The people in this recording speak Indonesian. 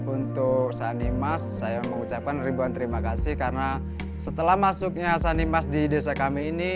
untuk sanimas saya mengucapkan ribuan terima kasih karena setelah masuknya sanimas di desa kami ini